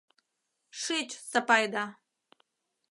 Шич, Сапайда!